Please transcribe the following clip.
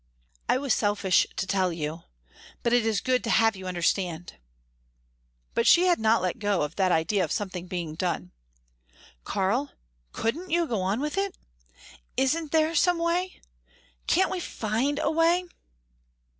"I was selfish to tell you but it is good to have you understand." But she had not let go that idea of something being done. "Karl, couldn't you go on with it? Isn't there some way? Can't we find a way?"